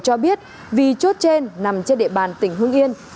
cho biết vì chốt trên nằm trên địa bàn tỉnh hưng yên